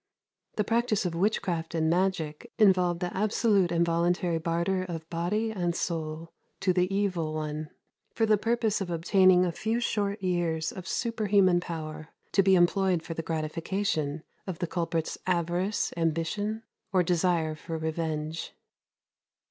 The practice of witchcraft and magic involved the absolute and voluntary barter of body and soul to the Evil One, for the purpose of obtaining a few short years of superhuman power, to be employed for the gratification of the culprit's avarice, ambition, or desire for revenge.